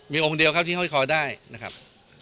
มีองค์เดียวครับที่ห้อยคอได้นะครับ